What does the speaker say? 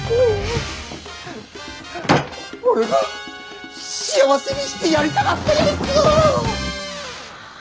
俺が幸せにしてやりたかったヤッサー。